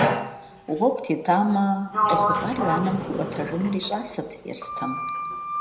Гъуэгу тетамэ, къехъулӏар и анэм хуиӏуэтэжыныр и щӏасэт Ерстэм.